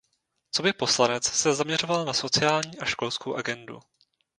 Coby poslanec se zaměřoval na sociální a školskou agendu.